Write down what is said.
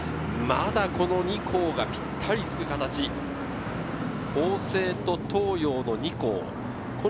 まだこの２校がぴったりつく形、法政と東洋の２校。